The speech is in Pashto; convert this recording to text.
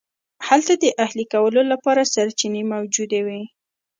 هلته د اهلي کولو لپاره سرچینې موجودې وې.